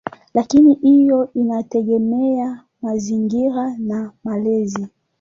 Lakini hiyo inategemea mazingira na malezi.